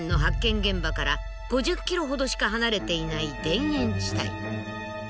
現場から５０ｋｍほどしか離れていない田園地帯。